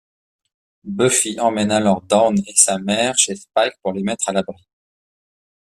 Buffy emmène alors Dawn et sa mère chez Spike pour les mettre à l'abri.